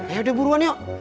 yaudah buruan yuk